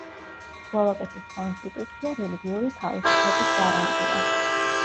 სლოვაკეთის კონსტიტუცია რელიგიური თავისუფლების გარანტია.